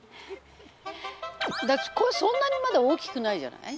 これそんなにまだ大きくないじゃない。